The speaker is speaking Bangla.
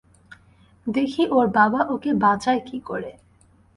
দেখি ওর বাবা ওকে বাঁচায় কী করে।